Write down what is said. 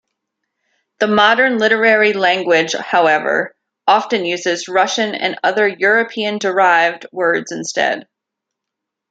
The modern literary language, however, often uses Russian and other European-derived words instead.